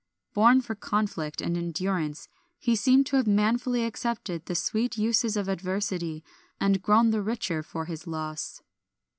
Born for conflict and endurance, he seemed to have manfully accepted the sweet uses of adversity and grown the richer for his loss.